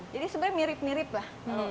jadi sebenarnya mirip mirip lah